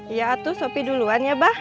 iya itu sopi duluan ya bah